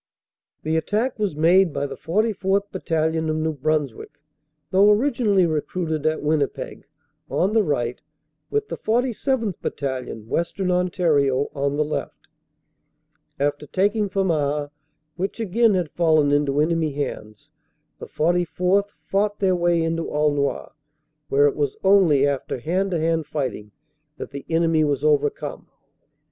The attack was made by the 44th. Battalion, of New Bruns wick though originally recruited at Winnipeg, on the right, with the 47th. Battalion, Western Ontario, on the left. After taking Famars which again had fallen into enemy hands the 44th. fought their way into Aulnoy, where it was only after hand to hand fighting that the enemy was overcome.